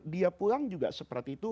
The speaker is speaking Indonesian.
dia pulang juga seperti itu